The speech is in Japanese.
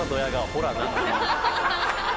「ほらな！」。